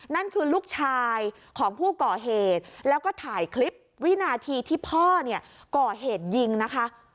นั่นคือลูกชายของผู้ก่อเหตุแล้วก็ถ่ายคลิปวินาทีที่พ่อเนี่ยก่อเหตุยิงนะคะ